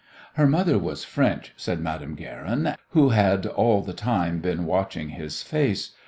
"Her mother was French," said Madame Guerin, who had all the time been watching his face.